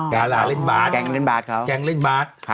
ดาราเล่นบาร์ดแกงเล่นบาร์ด